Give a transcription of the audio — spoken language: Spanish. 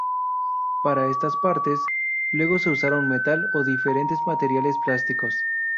Para estas partes, luego se usaron metal o diferentes materiales plásticos.